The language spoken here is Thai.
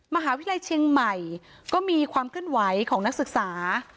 มหาวิทยาลัยเชียงใหม่ก็มีความเคลื่อนไหวของนักศึกษา